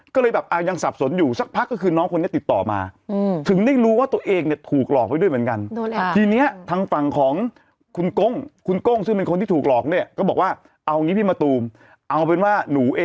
ก็เลยยังสับสนอยู่สักพักก็คือน้องคนนี้ติดต่อมา